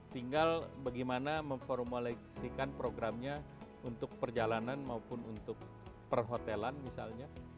tinggal bagaimana memformulasikan programnya untuk perjalanan maupun untuk perhotelan misalnya